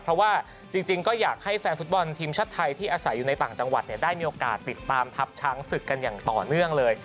เพราะว่าจริงก็อยากให้แฟนฟุตบอลทีมชาติไทยที่อาศัยอยู่ในต่างจังหวัดได้มีโอกาสติดตามทัพช้างศึกกันอย่างต่อเนื่องเลย